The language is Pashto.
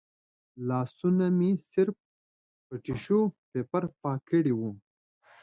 لاسونه مې صرف په ټیشو پیپر پاک کړي و.